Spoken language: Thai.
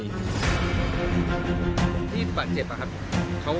ที่บาดเจ็บนะครับ